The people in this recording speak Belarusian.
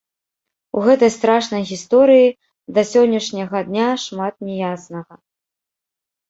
У гэтай страшнай гісторыі да сённяшняга дня шмат не яснага.